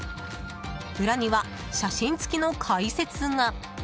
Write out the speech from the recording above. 裏には写真付きの解説が。